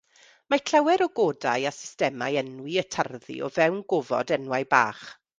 Mae llawer o godau a systemau enwi yn tarddu o fewn gofod enwau bach.